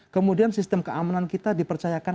kemudian sistem keamanan kita dipercayakan